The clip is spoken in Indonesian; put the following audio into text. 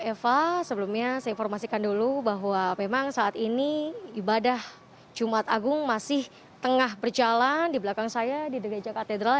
eva sebelumnya saya informasikan dulu bahwa memang saat ini ibadah jumat agung masih tengah berjalan di belakang saya di gereja katedral